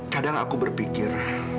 kadang aku berpikir